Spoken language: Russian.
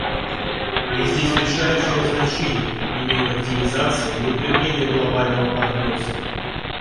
И здесь решающее значение имеют активизация и укрепление глобального партнерства.